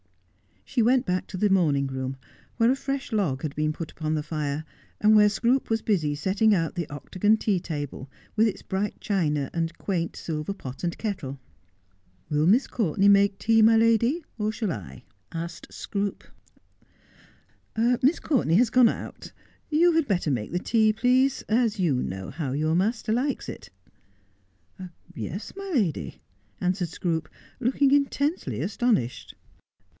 She went back to the morning room, where a fresh log had been put upon the fire, and where Scroope was busy setting out the octagon tea table, with its bright china, and quaint silver pot and kettle. ' Will Miss Courtenay make tea, my lady, or shall 1 1 ' asked Scroope. 'Miss Courtenay has gone out. You had better make the tea, please, as you know how your master likes it.' ' Yes, my lady,' answered Scroope, looking intensely aston ished.